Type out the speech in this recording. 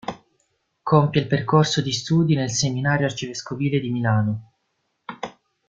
Compie il percorso di studi nel Seminario arcivescovile di Milano.